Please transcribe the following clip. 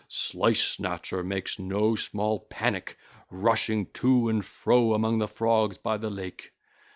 Slice snatcher makes no small panic rushing to and fro among the Frogs by the lake.